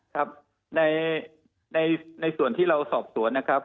ครับในส่วนที่เราสอบสวนนะครับ